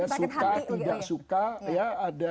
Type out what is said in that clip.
suka tidak suka